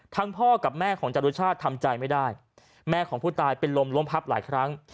พ่อกับแม่ของจรุชาติทำใจไม่ได้แม่ของผู้ตายเป็นลมล้มพับหลายครั้ง